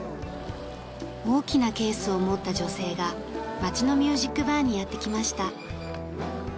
大きなケースを持った女性が街のミュージックバーにやって来ました。